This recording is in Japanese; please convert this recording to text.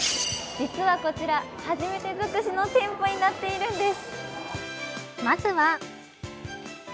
実はこちら、初めて尽くしの店舗になっているんです。